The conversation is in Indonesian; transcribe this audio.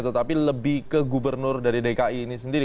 tetapi lebih ke gubernur dari dki ini sendiri